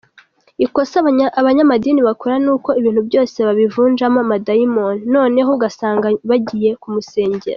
Ikosa abanyamadini bakora ni uko ibintu byose babivunjamo amadayimoni, noneho ugasanga bagiye kumusengera.